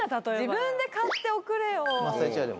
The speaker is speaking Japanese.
自分で買って送れよ。